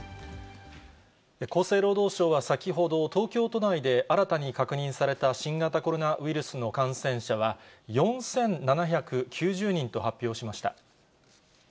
厚生労働省は先ほど、東京都内で新たに確認された新型コロナウイルスの感染者は４７９０人と発表しました。